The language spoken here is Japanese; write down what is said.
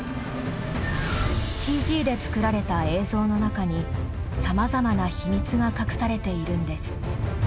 ＣＧで作られた映像の中にさまざまな秘密が隠されているんです。